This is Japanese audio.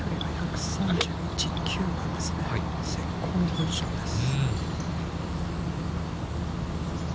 絶好のポジションです。